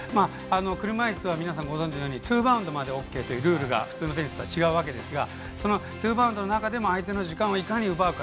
車いすは皆さんご存じのようにツーバウンドまでＯＫというルールが普通のテニスとは違うわけですがそのツーバウンドの中で相手の時間をどれぐらい奪うか。